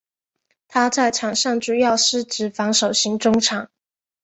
他在场上主要司职防守型中场。